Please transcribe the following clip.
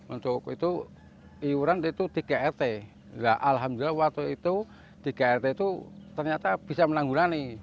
untuk itu iuran itu di grt nah alhamdulillah waktu itu di grt itu ternyata bisa menanggulani